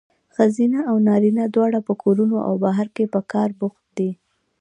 ښځینه او نارینه دواړه په کورونو او بهر کې په کار بوخت دي.